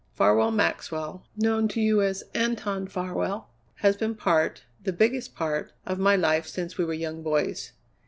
"Farwell Maxwell, known to you as Anton Farwell, has been part, the biggest part, of my life since we were young boys.